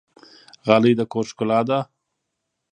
غالۍ د کور ښکلا ده